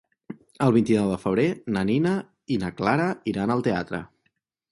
El vint-i-nou de febrer na Nina i na Clara iran al teatre.